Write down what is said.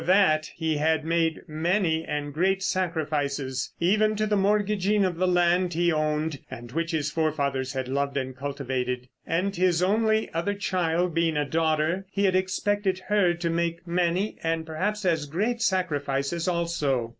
For that he had made many and great sacrifices, even to the mortgaging of the land he owned and which his forefathers had loved and cultivated. And his only other child being a daughter he had expected her to make many, and perhaps as great, sacrifices also.